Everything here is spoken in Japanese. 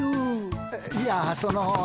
いやその。